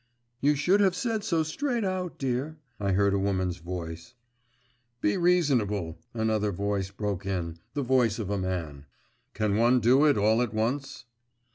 'You should have said so straight out, dear,' I heard a woman's voice. 'Be reasonable,' another voice broke in, the voice of a man. 'Can one do it all at once?